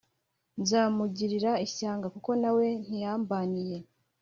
nzamugira ishyanga kuko na we ntiyambaniye